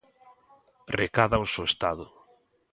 Recádaos o Estado.